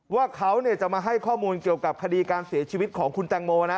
ว่าเขาจะมาให้ข้อมูลเกี่ยวกับคดีการเสียชีวิตของคุณแตงโมนะ